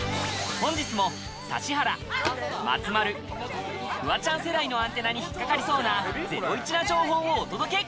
本日も指原、松丸、フワちゃん世代のアンテナに引っ掛かりそうなゼロイチな情報をお届け！